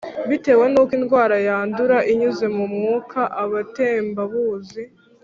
bitewe n’ uko indwara yandura inyuze mu mwuka, amatembabuzi…